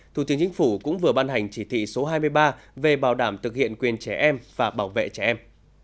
thủ tướng chính phủ cũng vừa ban hành chỉ thị số hai mươi ba về bảo đảm thực hiện quyền trẻ em và bảo vệ trẻ em